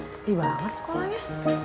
seti banget sekolahnya